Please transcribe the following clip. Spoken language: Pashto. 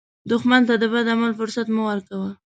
دښمن ته د بد عمل فرصت مه ورکوه